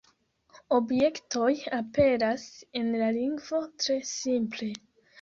Objektoj aperas en la lingvo tre simple.